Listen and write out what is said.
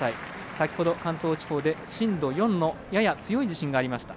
先ほど関東地方で震度４のやや強い地震がありました。